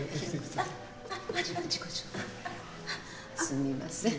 すみません。